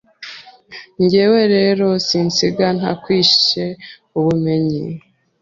njyewe rero sinsiga ntakwisheubimenye